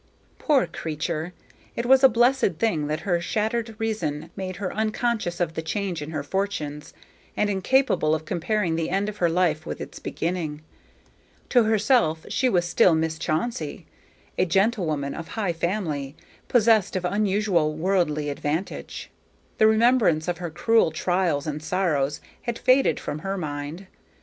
Poor creature! it was a blessed thing that her shattered reason made her unconscious of the change in her fortunes, and incapable of comparing the end of her life with its beginning. To herself she was still Miss Chauncey, a gentlewoman of high family, possessed of unusual worldly advantages. The remembrance of her cruel trials and sorrows had faded from her mind.